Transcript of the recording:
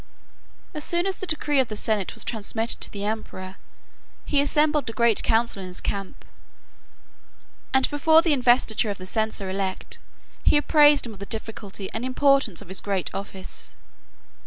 As soon as the decree of the senate was transmitted to the emperor, he assembled a great council in his camp, and before the investiture of the censor elect, he apprised him of the difficulty and importance of his great office.